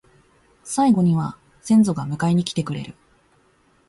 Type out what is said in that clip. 最期には先祖が迎えに来てくれる